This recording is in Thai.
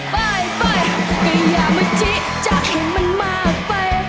ไปก็อย่ามาจิจะให้มันมากไป